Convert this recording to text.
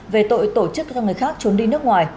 về tội tổ chức cho người khác trốn đi nước ngoài